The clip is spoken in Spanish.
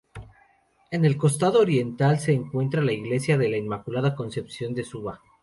En el costado oriental se encuentra la iglesia de la Inmaculada Concepción de Suba.